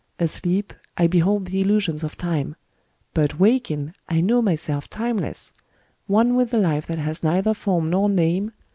... Asleep, I behold the illusions of Time ; but, waking, I know myself timeless : one with the Life that has neither form jwniiM ,u ^ mj.